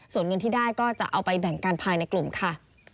ส่วนเงินที่ได้ก็จะเอาไปแบ่งกันภายในกลุ่มค่ะ